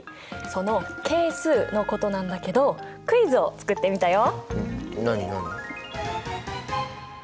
その「係数」のことなんだけどクイズをつくってみたよ！